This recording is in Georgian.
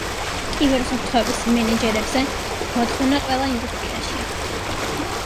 კიბერუსაფრთხოების მენეჯერებზე მოთხოვნა ყველა ინდუსტრიაშია.